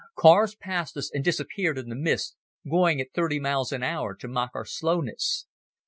Cars passed us and disappeared in the mist, going at thirty miles an hour to mock our slowness.